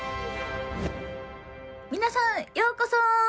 皆さんようこそ！